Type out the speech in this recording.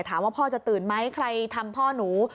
พ่อจะตื่นไหมใครทำพ่อหนู